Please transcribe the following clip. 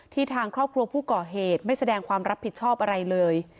ทางครอบครัวผู้ก่อเหตุไม่แสดงความรับผิดชอบอะไรเลย